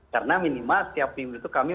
karena minimal setiap minggu itu kami